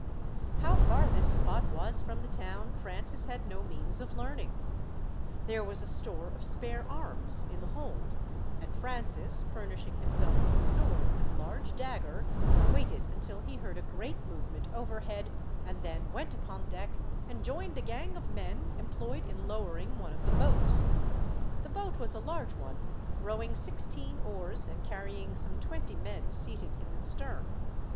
How far this spot was from the town, Francis had no means of learning. There was a store of spare arms in the hold, and Francis, furnishing himself with a sword and large dagger, waited until he heard a great movement overhead, and then went upon deck and joined a gang of men employed in lowering one of the boats. The boat was a large one, rowing sixteen oars and carrying some twenty men seated in the stern.